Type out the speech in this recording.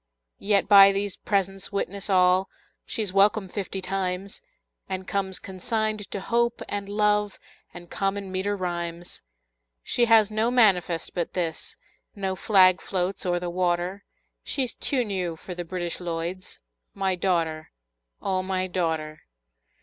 Yet by these presents witness all She's welcome fifty times, And comes consigned to Hope and Love And common meter rhymes. She has no manifest but this, No flag floats o'er the water, She's too new for the British Lloyds My daughter, O my daughter!